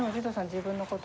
自分のこと。